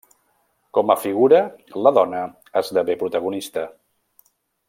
Com a figura, la dona esdevé protagonista.